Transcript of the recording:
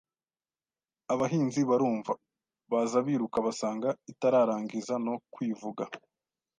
Abahinzi barumva, baza biruka basanga itararangiza no kwivuga